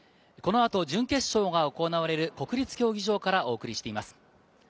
このあと準決勝が行われる国立競技場からお送りしています。